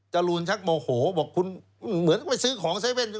จรูนชักโมโหบอกคุณเหมือนไปซื้อของ๗๑๑